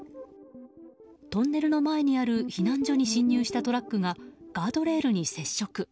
トンネルの前にある避難所に進入したトラックがガードレールに接触。